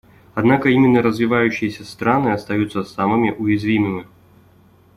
Однако именно развивающиеся страны остаются самыми уязвимыми.